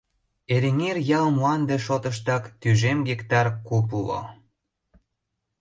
Эреҥер ял мланде шотыштак тӱжем гектар куп уло.